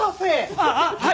あっはい！